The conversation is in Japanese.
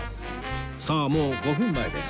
さあもう５分前です